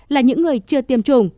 là những người chưa tiêm chủng